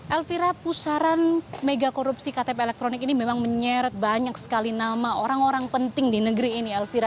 elvira pusaran mega korupsi ktp elektronik ini memang menyeret banyak sekali nama orang orang penting di negeri ini elvira